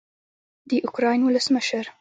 د اوکراین ولسمشر